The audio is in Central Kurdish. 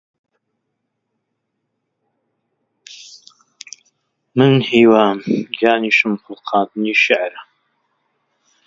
ماوەیەکی پێچوو ڕادیۆ ئێران گوتی: